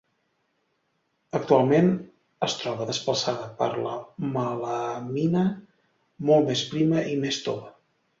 Actualment es troba desplaçada per la melamina, molt més prima i més tova.